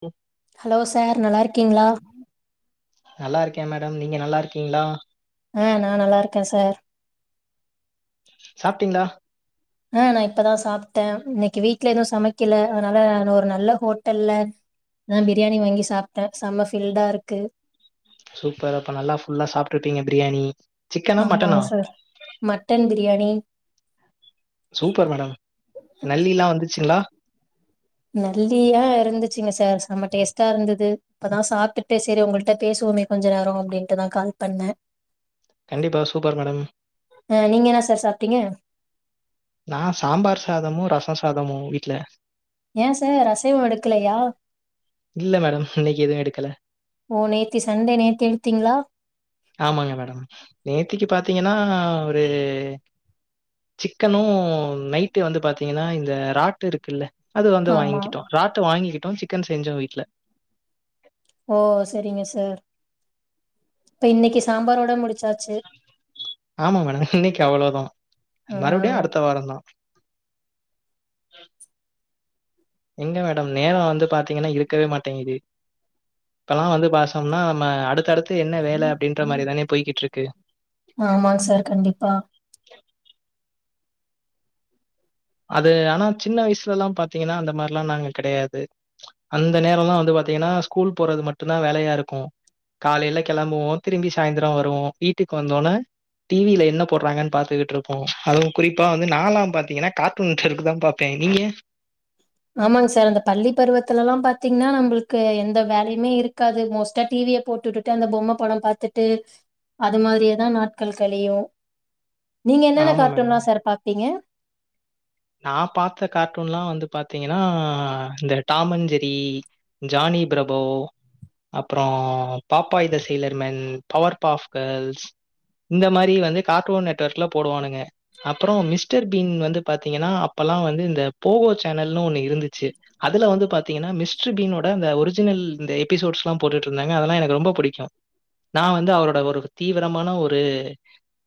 ம் hello sir நல்லாருக்கீங்ளா நல்லாருக்கே மேடம் நீங்க நல்லாருக்கீங்ளா ஆஹ் நா நல்லா இருக்கே சார் சாப்ட்டிங்ளா ஆஹ் நா இப்போ தா சாப்ட்டே இன்னிக்கு வீட்ல எதுவு சமைக்கல அதனால நா ஒரு நல்ல ஹோட்டல்ல நா பிரியாணி வாங்கி சாப்ட்டே செம்ம ஃபில்டா இருக்கு சூப்பர் அப்போ நல்லா ஃபுல்லா சாப்ட்டுடிங்க பிரியாணி சிக்கனா மட்டனா ஆமாங்க sir mutton biryani super madam நல்லிலா வந்துச்சிங்ளா நல்லியா இருந்துச்சுங்க சார் சம்ம டேஸ்ட்டா இருந்துது இப்பதா சாப்டுட்டு சேரி உங்ககிட்ட பேசுவோமே கொஞ்ச நேரோ அப்புடின்ட்டுதா கால் பண்ணே கண்டிப்பா சூப்பர் மேடம் ஆ நீங்க என்ன சார் சாப்ட்டீங்க நா சாம்பார் சாதமு ரச சாதமு வீட்ல ஏ சார் அசைவோ எடுக்லையா இல்ல மேடம் இன்னிக்கி எதுவு எடுக்கல ஓ நேத்தி சண்டே நேத்தி எடுத்தீங்ளா ஆமாங்க மேடம் நேத்திக்கு பாத்தீங்கன்னா ஒரு சிக்கனூ நைட்டு வந்து பாத்தீங்கன்னா இந்த ராட்டு இருக்கில்ல அது வந்து ஆமா வாங்கிட்டோ ராட்டு வாங்கிகிட்டோ சிக்கன் செஞ்சோ வீட்ல ஓ சேரிங்க சார் இப்ப இன்னிக்கி சாம்பாரோட முடிச்சாச்சு ஆமா மேடம் இன்னிக்கி அவ்ளோதா மறுபிடியு ஆ அடுத்த வார தா எங்க மேடம் நேரோ வந்து பாத்தீங்கன்னா இருக்கவே மாட்டேங்குது இப்பல்லா வந்து பாசொம்னா நம்ம அடுத்தடுத்து என்ன வேல அப்டின்ற மாரி தானே போய்கிட்ருக்கு ஆமாங் சார் கண்டிப்பா அது ஆனா சின்ன வயசுலல பாத்தீங்கனா அந்த மாரில நாங்க கெடயாது அந்த நேரோல வந்து பாத்தீங்கன்னா ஸ்கூல் போறது மட்டுதா வேலையா இருக்கு காலைல கெளம்புவோ திரும்பி சாய்ந்திரோ வருவோ வீட்டுக் வந்தொனே டி வி ல என்ன போட்றாங்கன் பாத்துகிட்ருப்போ அதுவு குறிப்பா வந்து நாலா பாத்தீங்கனா காட் டுன் டருக்குதா பாப்பே நீங்க ஆமாங் சார் அந்த பள்ளி பருவத்துலலா பாத்தீங்னா நம்புள்கு எந்த வேலையுமே இருக்காது மோஸ்ட்டா டி விய போட்டுடு டு அந்த பொம்ம படோ பாத்திட்டு அது மாத்ரியே தா நாட்கள் கழியு நீங்க என்னென்ன ஆமா மேடம். கார்ட்டூன்லா சார் பாப்பீங்க நா பாத்த கார்ட்டூன்ல வந்து பாத்தீங்கனா இந்த டாமண்ஜெரி ஜானி பிரபோ அப்றோ பாப்பாய் த சிய்லர்மேன் பவர் பாப்கேர்ள்ஸ் இந்த மாரி வந்து கார்ட்டூன் நெட்வெர்குல போடுவானுங்க அப்றோ மிஸ்டர் பீன் வந்து பாத் பாத்தீங்கனா அப்பெல்லா வந்து இந்த போகோ சேனல்னு ஒண்ணு இருந்துச்சு அதுல வந்து பாத்தீங்கனா மிஸ்டர் பீனோட அந்த ஒரிஜினல் இந்த எபிசோட்ஸ்லா போட்டுட்ருந்தாங்க அதெலா எனக்கு ரொம்ப புடிக்கு நா வந்து அவரோட ஒரு தீவிரமான ஒரு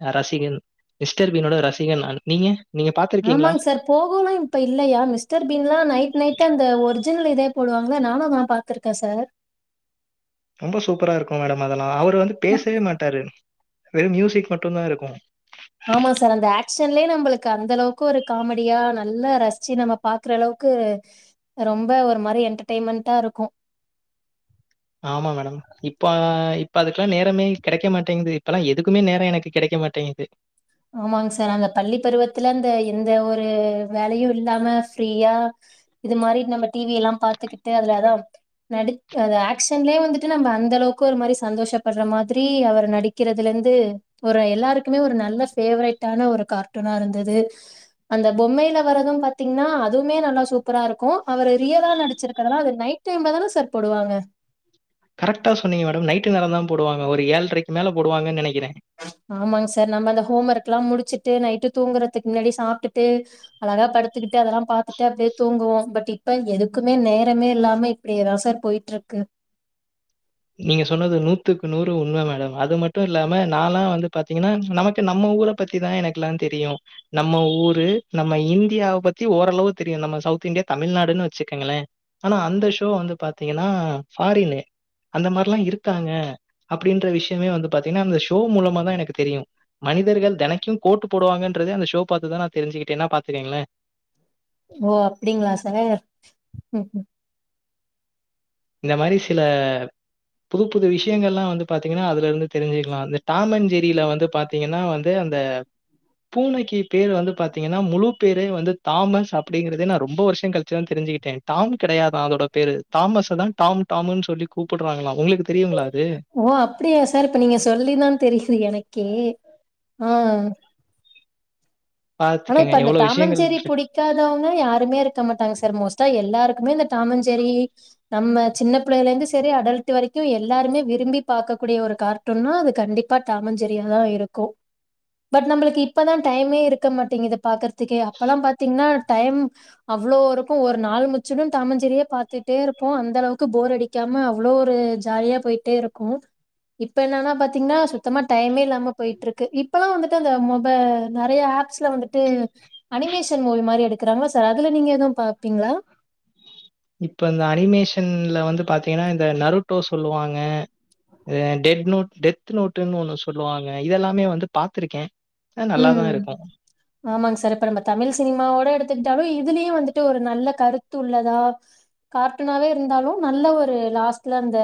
அ ரசிகன் மிஸ்டர் பீனோட ரசிகன் நானு நீங்க நீங்க பாத் ஆமாங் சார் போகோலா இப்ப இல்லயா மிஸ்டர் பீன்லா நைட் நைட் அந்த ஒரிஜினல் இதே போடுவாங்க நானு அதல பாத் திர்க்க சார் ரொம்ப சூப்பரா இருக்கு மேடம் அதெல்லா அவர் வந்து பேசவே மாட்டாரு வெறும் மியூசிக் மட்டுந்தா இருக்கு ஆமா சார் அந்த ஆக் ஷன்லே நம்புளுக் அந்த அளவுக்கு ஒரு காமெடியா நல்லா ரசிச்சு நம்ப பாக்ற அளவுக்கு ரொம்ப ஒரு மாரி என்டர்டெயின்மெண்டாருக்கு ஆமா மேடம் இப்ப இப்ப அதுக்கிலா நேரமே கெடைக்க மாட்டேங்குது இப்பலா எதுக்குமே நேர எனக்கு கெடைக்க மாட்டேங்குது ஆமாங் சார் அந்த பள்ளி பருவத்துல இந்த எந்த ஒரு வேலயு இல்லாம ஃப்ரீயா இது மாரி நம்ம டி வி எல்லா பாத்துக்கிட்டு அதுல அதா நடிப் அது ஆக் க்ஷன்லே வந்துட்டு நம்ப அந்த அளவுக்கு ஒரு மாரி சந்தோஷப்பட்ற மாதிரி அவர் நடி கிறதுலந்து ஒரு எல்லாருக்குமே ஒரு நல்ல ஃபேவ்ரைடான ஒரு கார்ட்டூனா இருந்தது அந்த பொம்மையில வரது பாத்தீங்னா அதுமே நல்லா சூப்பரா இருக்கு அவரு ரியலா நடிச்சிருக்கறத அது நைட் டேம்ல தானே சார் போடுவாங்க கரெக்ட சொன்னீங்க மேடம் நைட்டு நேரந்தா போடுவாங்க ஒரு ஏழ்ரைக் மேல போடுவாங்கன் நெனைக்கிற ஆமாங் சார் நம்ப அந்த ஹோம் ஒர்க்லா முடிச்சிட்டு நைட்டு தூங்கறதிக் முன்னாடி சாப்டுட்டு அழகா படுத்துக்கிட்டு அதெல்லா பாத்துட்டு அப்டியே தூங்குவோ பட் இப்ப எதுக்குமே நேரமே இல்லாம இப்பிடி ஏ தா சார் போய்ட்டு இருக்கு நீங்க சொன்னது நூத்துக்கு நூறு உண்ம மேடம் அது மட்டு இல்லாம நாலா வந்து பாத்தீங்கன்னா நமக்கு நம்ம ஊர ஈபத்திதா எனக்கெல்லா தெரியு நம்ம ஊரு நம்ம இந்தியாவ பத்தி ஓரளவு தெரியு நம்ம சவுத் இந்தியா தமிழ்நாடுன்னு வெச்சுகங்களே ஆனா அந்த ஷோ வந்து பாத்தீங்கன்னா ஃபாரின்னு அந்த மார்ல்லா இருக்காங்க அப்டின்ற விஷ்யமே வந்து பாத்தீங்கன்னா அந்த ஷோ மூலமா தா எனக்கு தெரியு மனிதர்கள் தெனக்கும் கோட்டு போடுவாங்கன்றத அந்த ஷோ பாத்துதா நா தெருஞ்சுக்கிட்டேனா பாத்துகங்களே ஓ அப்டிங்களா சகே ம் இந்த மாரி சில புது புது விஷயங்கள்லா வந்து பாத்தீங்கன்னா அதுல இருந்து தெருஞ்சுக்கலா இந்த டாம் அன் ஜெரில வந்து பாத் த்தீங்கன்னா வந்து அந்த பூனைக்கி பேரு வந்து பாத்தீங்கன்னா முழு பேரே வந்து தாமஸ் அப்டிங்கறதே நா ரொம்ப வர்ஷொங்கழிச்சுதா தெருஞ்சுகிட்டே டாம் கெடையாதா அதோட பேரு தாமஸ் அ தா டாமு டாமுன்னு சொல்லி கூப்புட்றாங்களா உங்களுக்கு தெரியுங்களா அது ஓ அப்டியா சார் இப்ப நீங்க சொல்லி தா தெரியுது எனக்கே ஆ ஆனா பார்த்துக்கங்க இப்ப அந்த எவ்வளோ விஷயங்கள் டாமஞ்செரி இருக்கு. புடி க்காதவங்களே யாருமே இருக்க மாட்டாங்க சார் மோஸ்டா எல்லாருக்குமே இந்த டாமஞ்ஜெரி நம்ம சின்ன பிள்ளெகல இருந்து செரி அடல்ட் வரைக்கு எல்லாருமே விரும்பி பாக்ககூடிய ஒரு காட் டூன்னா அது கண்டிப்பா தாமஞ்ஜெரியா தான் இருக்கு பட் நம்மளுக்கு இப்பதா டைமே இரு இருக்க மாட்டேங்குது பாக்றதுக்கே அப்பெல்லா பாத்தீங்கன்னா டைம் அவ்ளோ இருக்கு ஒரு நாள் முச்சுடும் தாமஞ்ஜெரியே பாத்துட்டே இருப்போ அந்த அளவுக்கு போர் அடி டிக்காம அவ்ளோ ஒரு ஜாலியா போய்ட்டே இருக்கு இப்ப என்னன்னா பாத்தீங்கன்னா சுத்தமா டைமே இல்லாம போய்ட்டு இருக்கு இப்பெல்லா வந்துட்டு அந்த மொப நறையா ஆப் ச்ல வந்துட்டு அனிமேஷன் மூவி மாரி எடுக்குறாங்க சா அதுல நீங்க எதும் பாப்பீங்களா இப்ப இந்த அனிமேஷன்ல வந்து பாத்தீங்கன்னா இந்த நருட்டோ சொல்லுவாங்க டெட் நோட் டெத் நோட்ன்னு ஒன்னு சொல்லுவாங்க இதெல்லாமே வந்து பாத்திருக்கே ம் ஆமாங்க் சார் இப்ப நம்ம தமிழ் சினிமாவோட எடுத்துக்கிட்டாலு இதுலியு வந்துட்டு ஒரு நல்ல கருத்து உள்ளதா கார்ட்டுனாவே இருந்தாலு நல்ல ஒரு லாஸ்ட்ல அந்த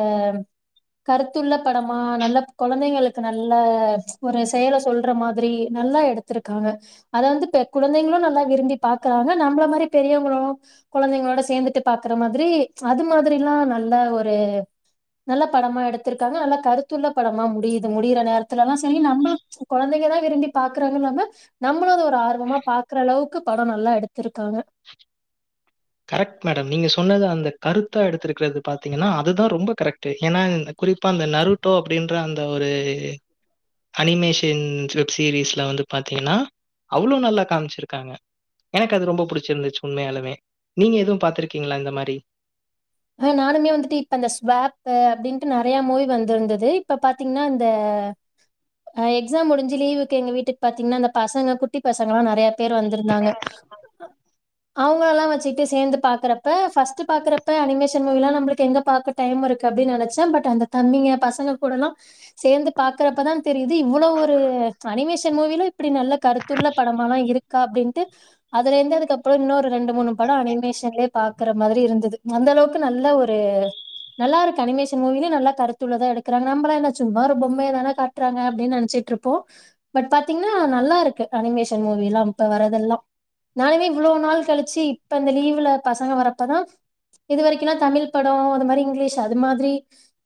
கருத்துள்ள படமா நல்ல கொழந்தைங்களுக்கு நல்ல ஒரு செயல சொல்ற மாதிரி நல்லா எடுத்திருக்காங்க அத வந்து ட குழந்தைங்களு நல்லா விரும்பி பாக்கறாங்க நம்மள மாரி பெரியவங்களோ குழந்தைங்களோட சேந்துட்டு பாக்கற மாதிரி அது மாதிரில்லா நல்ல ஒரு நல்ல படமா எடுத்திர்க்காங்க நல்லா கருத்துள்ள படமா முடியுது முடியிற நேரத்துல எல்லா செரி நம்பளு கொழந்தெங்க தா விரும்பி பாக்குறாங்கனு இல்லாம நம்மளு அத ஒரு ஆர்வமா பாக்ற அளவுக்கு படொ நல்லா எடுத்திருக்காங்க கரக்ட் மேடம் நீங்க சொன்னது அந்த கருத்த எடுத்திருக்றது பாத்தீங்கன்னா அதுதா ரொம்ப கரக்ட்டு எனா குறிப்பா அந்த நருட்டோ அப்டின்ற அந்த ஒரு அனிமேஷின்ஸ் வெப்சீரிஸ்ல வந்து பாத்தீங்கன்னா அவ்ளோ நல்லா காம்ச்சிருக்காங்க எனக்கு அது ரொம்ப புடுச்சிருந்துச்சு உண்மையாலுமே நீங்க எதும் பாத்திருக்கீங்களா இந்த மாரி ஆ நானுமே வந்துட்டு இப்ப இந்த ஸ்வாப்பு அப்டின்ட்டு நறையா மூவி வந்திருந்துது இப்ப பாத்தீங்ன்னா இந்த ஆ எக்ஸாம் முடிஞ்சு லீவுக்கு எங்க வீட்டுக்கு பாத்தீங்ன்னா அந்த பசங்க குட்டி பசங்க எல்லா நறையா பேரு வந்திருந்தாங்க அவ்ங்கள எல்லா வெச்சுட்டு சேந்து பாக்கறப்ப ஃபர்ஸ்ட்டு பாக்கற ப்ப அனிமேஷன் மூவில்லா நம்பளுக்கு எங்க பாக்க டைம் இருக்கு அப்டின்னு நனச்சே பட் அந்த தம்பிங்க பசங்க கூட ல்லா சேந்து பாக்கறப்பதா தெரியுது இவ்ளோவ் ஒரு அனிமேஷன் மூவிலு இப்பிடி நல்ல கருத்துள்ள படமல்லா இருக் க்கா அப்டின்ட்டு அதுலேந்து அதுக்கப்றோ இன்னொரு ரெண்டு மூணு படோ அனிமேஷன்லயே பாக்குற மாதிரி இருந்துது அந்த அளவுக்கு நல்ல ஒரு நல்லா இருக்கு அனமேஷன் மூவினு நல்ல கருத்துள்ளதா எடுக்குறாங்க நம்ம என்ன சும்மா ஒரு பொம்மைய தான காட் றாங்க அப்டின்னு நெனைச்சிட்டு இருப்போ பட் பாத்திங்ன்னா நல்லா இருக்கு அனிமேஷன் மூவி எல்லா இப்ப வரதெல்லா நானுமே இவ்ளோ நாள் கழிச்சு இப்ப இந்த லீவுல பசங்க வரப்பதா இது வரைக்குனா தமிழ் படோ அது மாதிரி இங்கிலீஷ் அது மாதிரி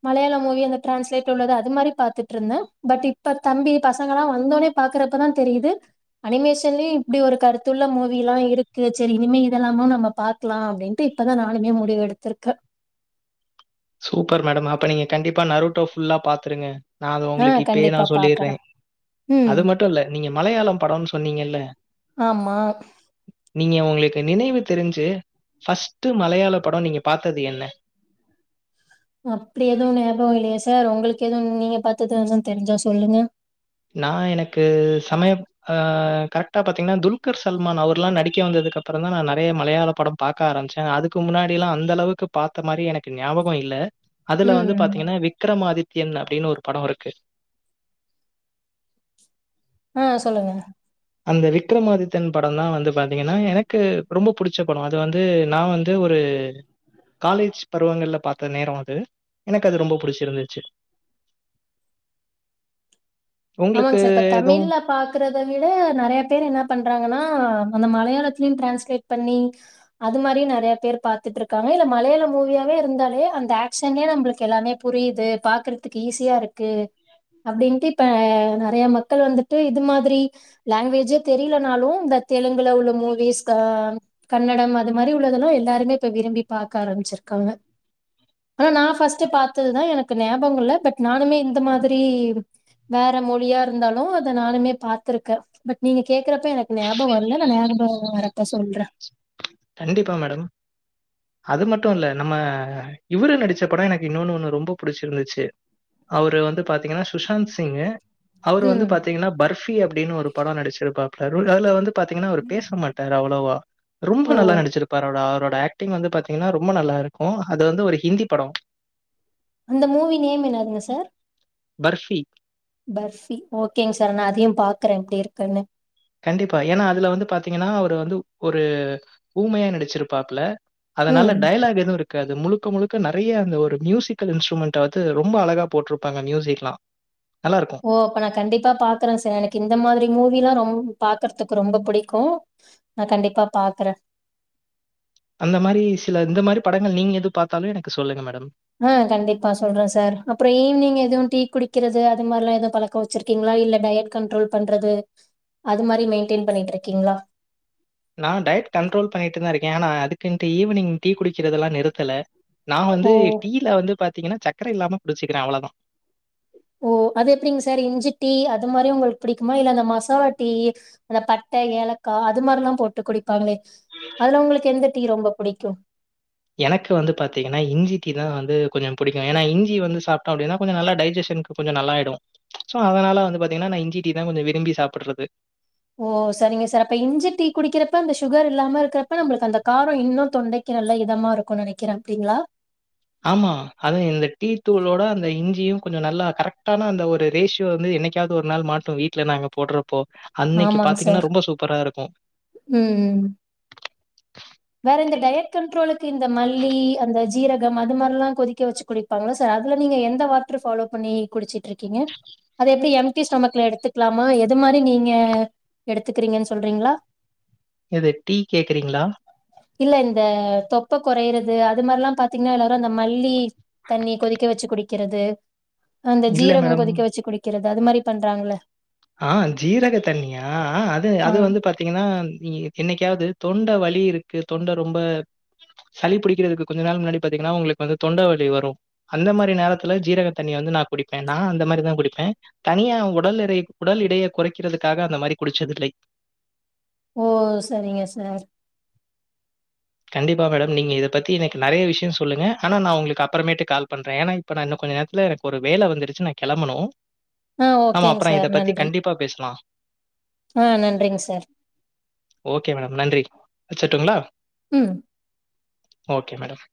மலையாள மூவி அந்த டிரான்ஸ்லேட் உள்ளது அது மாரி பாத்துட்டு இருந்தே பட் தம்பி பசங்க எல்லா வந்தோனே பாக்றப்பதா தெரியுது அனிமேஷன்லியு இப்டி ஒரு கருத்துள்ள மூவி எல்லா இருக்கு சரி இனிமே இதெல்லாமு நம்ம பாக்லா அப்டின்ட்டு இப்பதா நா நானுமே முடிவு எடுத்ருக்க சூப்பர் மேடம் அப்ப நீங்க கண்டிப்பா நருட்டோ ஃபுல்லா பாத்ருங்க நா அத ஆ உங்களுக்கு இப்பயே நா கண்டிப்பா சொல்லிட்றே பாக்குறே ம் அது மட்டு இல்ல நீங்க மலையாளம் படனு சொன்னீங்கல்ல ஆமா நீங்க உங்களுக்கு நினைவு தெரிஞ்சு ஃபஸ்ட்டு மலையாள படோ நீங்க பாத்தது என்ன அப்டி எதுவு ஞாபகோ இல்லையே சார் உங்களுக்கு எதுவு நீங்க பாத்தது எது தெரிஞ்சா சொல்லுங்க நா எனக்கு சமயம் அ கரெக்டா பாத்திங்ன்னா துல்கர் சல்மான் அவர்ல்லா நடிக்க வந்ததுக்கு அப்றோ தா நா நறைய மலையாளப் படம் பாக்க ஆரம்ச்ச அதுக்கு முன்னாடில்லா அந்த அளவுக்கு பாத்த மாரி எனக்கு ஞாபகோ இல்ல அதுல வந்து ம் பாத்திங்ன்னா விக்ரம் ஆதித்யன் அப்டின்னு ஒரு படோ இருக்கு அ சொல்லுங்க அந்த விக்ரமாதித்தன் படதா வந்து பாத்திங்கன்னா எனக்கு ரொம்ப பிடிச்ச படோ அது வந்து நா வந்து இது ஒரு காலேஜ் பருவங்கள்ல பாத்த நேரோ அது எனக்கு அது ரொம்ப புடிச்சிருந்துச்சு ஆமாங் உங்களுக்கு சார் இப்ப எதுவும் தமிழ்ல பா க்றத விட நறைய பேர் என்ன பண்றாங்கன்னா அந்த மலையாளத்திலையு டிரான்ஸ்லேட் பண்ணி அது மாதிரியு நறைய பேர் பாத்துட்ருக்காங்க இல்ல மலையாள மூவியாவே இருந்தாலே அந்த ஆக்ஷனே நம்ளுக்கு எல்லாமே புரியுது பாக்குறதுக்கு ஈஸியா இருக்கு அப்டின்ட்டு இப்ப அ நறைய மக்கள் வந்துட்டு இது மாதிரி லாங்குவேஜ்ஜே தெரியிலனாலு இந்த தெலுங்குல உள்ள மூவிஸ் கா கன்னடம் அது மாதிரி உள்ளதெல்லா எல்லாருமே இப்ப விரும்பி பாக்க ஆரம்பிச்சிருக்காங்க ஆனா நான் ஃபஸ்ட்டு பார்த்ததுதா எனக்கு ஞாபகோ இல்ல பட் நானுமே இந்த மாதிரி வேற மொழியா இருந்தாலு அத நானுமே பாத்ருக்கே பட் நீங்க கேக்குறப்ப எனக்கு ஞாபகோ இல்ல நா ஞாபகோ வரப்ப சொல்றே கண்டிப்பா மேடம் அது மட்டு இல்ல நம்ம இவுரு நடிச்ச படோ எனக்கு இன்னொன்னு ஒண்ணு ரொம்ப புடிச்சிருந்துச்சு அவரு வந்து பார்த்திங்கன்னா சுஷாந்த் சிங்கு அவுரு வந்து ம் பாத்திங்கன்னா பர்பி அப்டின்னு ஒரு படோ நடிச்சிருப்பாப்புல ரோ அதுல வந்து பாத்திங்ன்னா அவரு பேச மாட்டாரு அவ்ளோவா ரொம்ப ஓ நல்லா நடிச்சிருப்பாரு அவரோட ஆக் ஆக்ட்டிங் வந்து பாத்திங்ன்னா ரொம்ப நல்லா இருக்கு அது வந்து ஒரு ஹிந்தி படோ அந்த மூவி நேம் என்னதுங்க சார் பர்ஃவி பர்ஃவி ஓகேங் சார் நா அதையு பாக்குற எப்டி இருக்குன்னு கண்டிப்பா ஏன்னா அதுல வந்து பாத்திங்கன்னா அவரு வந்து ஒரு ஊமையா நடிச்சிருப்பாப்புல அதனால ம் டயலாக் எதுவுருக் காது முழுக்க முழுக்க நறைய அந்த ஒரு மியூசிக்கல் இன்ஸ்ட்ருமெண்ட் அது ரொம்ப அழகா போட்ருப்பாங்க மியூசிக்லா நல்லாருக்கு ஓ அப்ப நா கண்டிப்பா பாக்குறே சார் எனக் இந்த மாத்ரி மூவில்லா ரொம் பாக்கற்துக்கு ரொம்ப புடிக்கு நா கண்டிப்பா பாக்குறெ அந்த மாரி சில இந்த மாரி படங்கள் நீங்க எது பாத்தாலு எனக்கு சொல்லுங்க மேடம் அ கண்டிப்பா சொல்றெ சார் அப்றோ ஈவ்னிங் எதுவு டீ குடிக்கிறது அது மாரிலா எது பழ க்கோ வச்சிருக்கீங்ளா இல்ல டயட் கண்ட்ரோல் பண்றது அது மாரி மெயின்டெய்ன் பண்ணிட்ருக்கீங்ளா நா டயட் கண்ட்ரோல் பண்ணிட்டு தாருக்கே ஆனா அதுக்குன்ட்டு ஈவ்னிங் டீ குடிக்கிறதெல்லா நிறுத்தல நா ஓ வந்து டீ ல வந்து பாத்தீங்கன்னா சக்கர இல்லாம குடிச்சுக்கிறே அவ்ளதா ஓ அது எப்டிங் சார் இஞ்சி டீ அது மாரி உங்களுக்கு புடிக்குமா இல்ல அந்த மசாலா டீ அந்த பட்ட ஏலக்கா அது மார்லா போட்டு குடிப்பாங்ளே அதுல உங்களுக்கு எந்த டீ ரொம்ப புடிக்கு எனக்கு வந்து பாத்தீங்கன்னா இஞ்சி டீ தா வந்து கொஞ்சோ புடிக்கு ஏனா இஞ்சி வந்து சாப்ட்டோ அப்டின்னா கொஞ்சோ நல்லா டைஜிஷன்க்கு கொஞ்சோ நல்லாய்டு ஸோ அதனால வந்து பாத்தீங்கன்னா நா இஞ்சி டீ தா கொஞ்சோ விரும்பி சாப்புட்றது ஓ செரிங்க சார் அப்ப இஞ்சி டீ குடிக்கிறப்ப அந்த சுகர் இல்லாம இருக்றப்ப நம்ளுக்கு அந்த காரோ இன்னு தொண்டை க்கி நல்ல இதமாருக்கு நெனைக்கிறே அப்டிங்ளா ஆமா ஆனா இந்த டீ தூளோட அந்த இஞ்சியு கொஞ்சோ நல்லா கரெக்ட்டான அந்த ஒரு ரேஷியோ வந்து என்ன க்காது ஒரு நாள் மாட்டு வீட்ல நாங்க போட்றப்போ அன்னக்கி ஆமாங்க பாத்தீங்கன்னா சார் ரொம்ப சூப்பராருக்கு ம் ம் வேற இந்த டயட் கண்ட்ரோலுக்கு இந்த மல்லி அந்த சீரகம் அது மார்லா கொதிக்க வச்சு குடி ப்பாங்ள சார் அதுல நீங்க எந்த வாட்ரு ஃபாலோ பண்ணி குடிச்சிட்ருக்கீங்க அது எப்டி எம்டி ஸ்டொமக்ல எடுத்துக்லாமா எது மாரி நீங்க எடுத்துக்கிறீங்கன் சொல்றீங்ளா எது டீ கேக்றீங்ளா இல்ல இந்த தொப்ப கொறைரது அது மார்லா பாத்தீங்கன்னா எல்லாரு அந்த மல்லி தண்ணிய கொதிக்க வச்சு குடிக்கிறது அந்த இல்ல சீரகோ மேடம். கொதிக்க வச்சு குடிக்கிறது அது மாரி பண்றாங்கள்ல ஆ சீரக தண்ணியா ஆ அது ஆ அது வந்து பா த்தீங்கன்னா என்னைக்காவ்து தொண்ட வலி இருக்கு தொண்ட ரொம்ப சளி புடிக்கிறதுக்கு கொஞ்ச நாள் முன்னாடி பாத்தீங்கன்னா உங்களுக்கு வந்து தொண்ட வலி வரு அந்த மாரி நேரத்துல சீரக தண்ணி வந்து நா குடிப்பே நா அந்த மாரிதா குடிப்பே தனியா உடல் எடை உடல் எடைய கொறைக்கிறதுக்காக அந்த மாரி குடிச்சதில்லை ஓ செரிங்க சார் கண்டிப்பா மேடம் நீங்க இத பத்தி எனக்கு நறைய விஷ்யோ சொல்லுங்க ஆனா நா உங்ளுக்கு அப்றமேட்டு கால் பண்றே ஏனா இப்ப நா இன்னு கொஞ்ச நேரத்துல எனக்கு ஒரு வேல வந்துருச்சு நா கெளம்பனு ஆ நாம ஓகேங்க அப்றோ சார் இத பத்தி நன்றி கண்டிப்பா பேசலா ஆ நன்றிங்க சார் ஓகே மேடம் நன்றி வச்சுட்டுங்ளா ம் ஓகே மேடம்